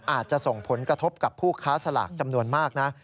อาจจะส่งผลกระทบกับผู้ค้าสลากจำนวนมากนะ